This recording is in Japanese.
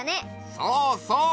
そうそう！